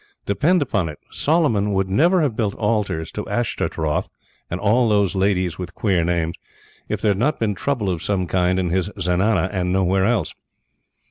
Depend upon it, Solomon would never have built altars to Ashtaroth and all those ladies with queer names, if there had not been trouble of some kind in his zenana, and nowhere else.